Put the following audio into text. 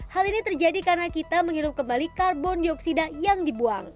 hal ini terjadi karena kita menghirup kembali karbon dioksida yang dibuang